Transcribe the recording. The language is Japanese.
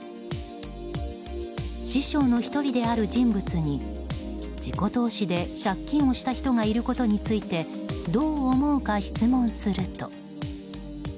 師匠の１人である人物に自己投資で借金をした人がいることについてどう思うか質問すると。